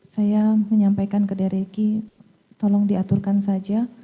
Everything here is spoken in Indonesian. saya menyampaikan ke dari ricky tolong diaturkan saja